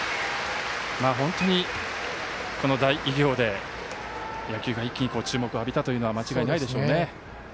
本当にこの大偉業で野球が一気に注目を浴びたというのは間違いないでしょう。